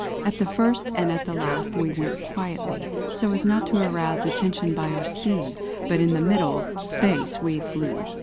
At the first and at the last we went quietly, so as not to arouse attention by our speed; but in the middle space we flew.